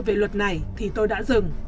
về luật này thì tôi đã dừng